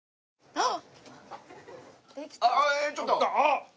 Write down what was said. あっ！